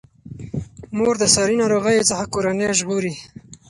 مور د ساري ناروغیو څخه کورنۍ ژغوري.